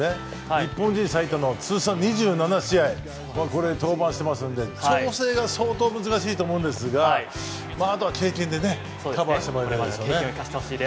日本人最多の通算２７試合登板していますので調整が相当難しいと思うんですがあとは経験でねカバーしてほしいですね。